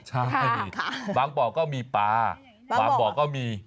ใช่บางบ่อก็มีปลาบางบ่อก็มี